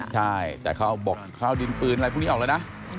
ใช่แต่เขาบอกเขาดินปืนอะไรพรุ่งนี้ออกแล้วนะ